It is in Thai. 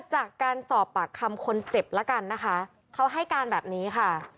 จากการสอบปากคำคนเจ็บแล้วกันนะคะเขาให้การแบบนี้ค่ะ